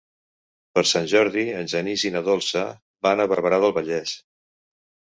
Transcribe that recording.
Per Sant Jordi en Genís i na Dolça van a Barberà del Vallès.